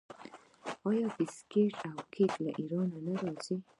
آیا بسکیټ او کیک له ایران نه راځي؟